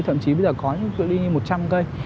thậm chí bây giờ có những cái cựu ly như một trăm linh cây